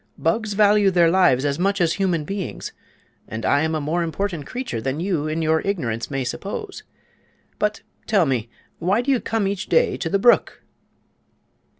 Bugs value their lives as much as human beings, and I am a more important creature than you, in your ignorance, may suppose. But, tell me, why do you come each day to the brook?"